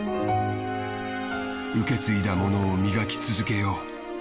受け継いだものを磨き続けよう。